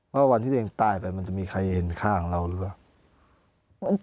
ว่าวันที่ตัวเองตายไปมันจะมีใครเห็นข้างเราหรือเปล่า